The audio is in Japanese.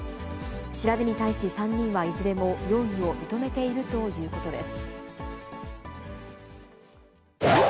調べに対し３人はいずれも容疑を認めているということです。